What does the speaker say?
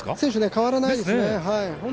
変わらないですね。